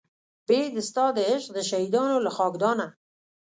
بې د ستا د عشق د شهیدانو له خاکدانه